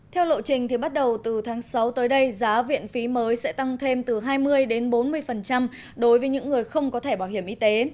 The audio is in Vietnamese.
theo lộ trình bắt đầu từ tháng sáu tới đây giá viện phí mới sẽ tăng thêm từ hai mươi đến bốn mươi đối với những người không có thẻ bảo hiểm y tế